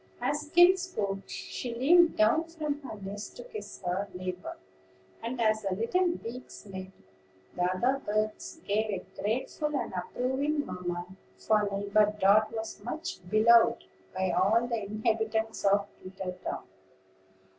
As Skim spoke, she leaned down from her nest to kiss her neighbor; and, as the little beaks met, the other birds gave a grateful and approving murmur, for Neighbor Dart was much beloved by all the inhabitants of Twittertown.